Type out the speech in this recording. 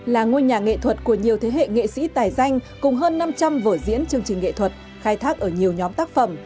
là ngôi nhà nghệ thuật của nhiều thế hệ nghệ sĩ tài danh cùng hơn năm trăm linh vở diễn chương trình nghệ thuật khai thác ở nhiều nhóm tác phẩm